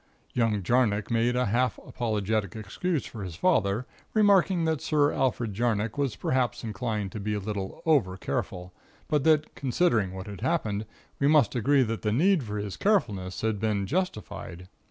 "Young Jarnock made a half apologetic excuse for his father; remarking that Sir Alfred Jarnock was perhaps inclined to be a little over careful; but that, considering what had happened, we must agree that the need for his carefulness had been justified.